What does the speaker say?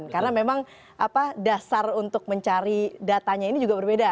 karena memang dasar untuk mencari datanya ini juga berbeda